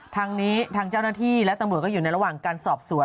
ทางนี้ทางเจ้าหน้าที่และตำรวจก็อยู่ในระหว่างการสอบสวน